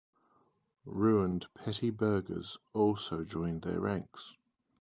Ruined petty burghers also joined their ranks.